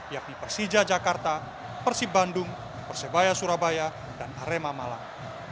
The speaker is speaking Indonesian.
yakni persija jakarta persib bandung persebaya surabaya dan arema malang